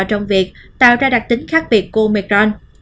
trong việc tạo ra đặc tính khác biệt của micron